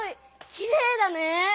きれいだね。